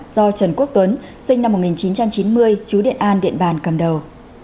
do trần quốc tuấn sinh năm một nghìn chín trăm chín mươi chú điện an điện bàn cầm đầu